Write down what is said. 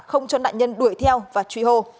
không cho nạn nhân đuổi theo và truy hô